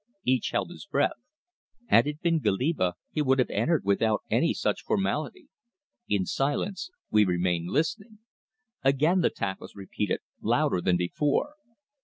Each held his breath. Had it been Goliba he would have entered without any such formality. In silence, we remained listening. Again the tapping was repeated, louder than before.